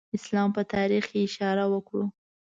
اسلام په تاریخ کې اشاره وکړو.